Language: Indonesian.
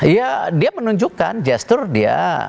ya dia menunjukkan gestur dia